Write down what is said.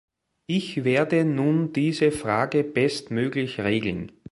Ich werde nun diese Frage bestmöglich regeln.